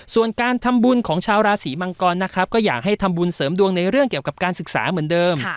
ส่วนการทำบุญของชาวราศีมังกรนะครับก็อยากให้ทำบุญเสริมดวงในเรื่องเกี่ยวกับการศึกษาเหมือนเดิม